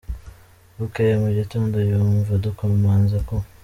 Bukeye mu gitondo yumva bakomanze ku.